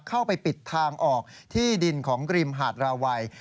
เข้าไปปิดทางออกที่ดินของกริมหาดราวัย